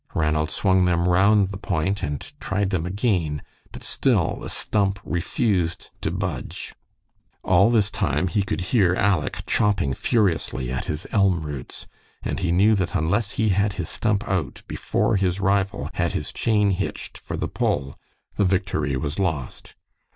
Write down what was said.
Ranald swung them round the point and tried them again, but still the stump refused to budge. All this time he could hear Aleck chopping furiously at his elm roots, and he knew that unless he had his stump out before his rival had his chain hitched for the pull the victory was lost.